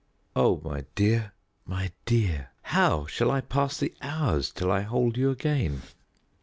"Oh, my dear, my dear, how shall I pass the hours till I hold you again?"